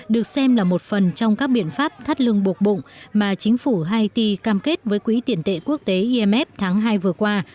được xem là một phần trong các biện pháp thắt lưng buộc bụng mà chính phủ haiti cam kết với quỹ tiền tệ quốc tế imf tháng hai vừa qua